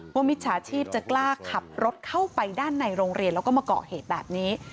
มิจฉาชีพจะกล้าขับรถเข้าไปด้านในโรงเรียนแล้วก็มาเกาะเหตุแบบนี้